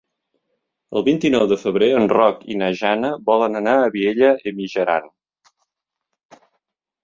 El vint-i-nou de febrer en Roc i na Jana volen anar a Vielha e Mijaran.